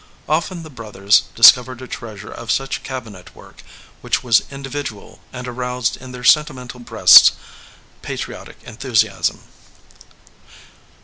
Often the brothers discovered a treasure of such cabinet work which was individual and aroused in their senti mental breasts patriotic enthusiasm.